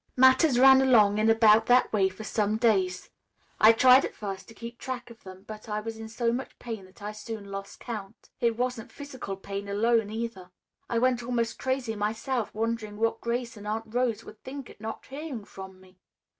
"Matters ran along in about that way for some days. I tried at first to keep track of them, but I was in so much pain that I soon lost count. It wasn't physical pain alone, either. I went almost crazy myself wondering what Grace and Aunt Rose would think at not hearing from me.